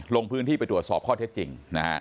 ลงพื้นที่ไปตรวจสอบข้อเท็จจริงนะฮะ